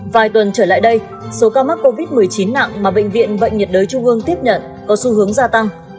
vài tuần trở lại đây số ca mắc covid một mươi chín nặng mà bệnh viện bệnh nhiệt đới trung ương tiếp nhận có xu hướng gia tăng